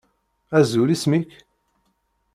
Azul, isem-ik?